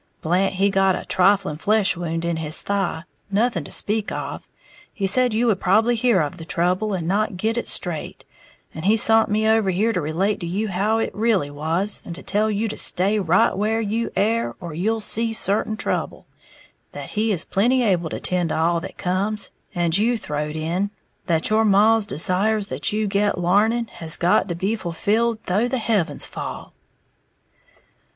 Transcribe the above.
Blant he got a trifling flesh wound in his thigh, nothing to speak of. He said you would probably hear of the trouble, and not git it straight, and he sont me over to relate to you how it really was, and to tell you to stay right where you air, or you'll see certain trouble, that he is plenty able to tend to all that comes, and you throwed in; that your maw's desires that you get l'arning has got to be fulfilled though the heavens fall."